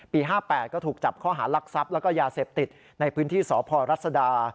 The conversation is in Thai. ปี๕๘ก็ถูกจับข้อหาลักศัพท์และยาเสพติดในพื้นที่สภรัศดา